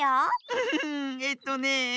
フフフえっとね。